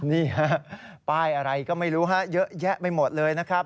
นี่ฮะป้ายอะไรก็ไม่รู้ฮะเยอะแยะไปหมดเลยนะครับ